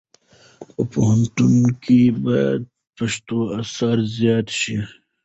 په پوهنتونونو کې باید پښتو اثار زیات شي.